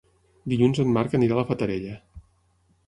Dilluns en Marc anirà a la Fatarella.